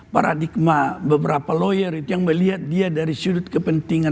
paradigma beberapa lawyer itu yang melihat dia dari sudut kepentingan